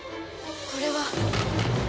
これは！